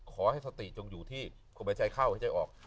ขอให้สติจงอยู่ที่คนหายใจเข้าหายใจออก